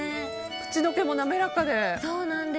口溶けも滑らかで。